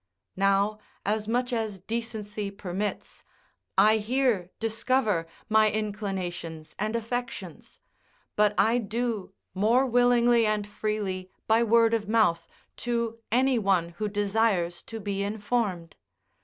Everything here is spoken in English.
Now, as much as decency permits, I here discover my inclinations and affections; but I do more willingly and freely by word of mouth to any one who desires to be informed.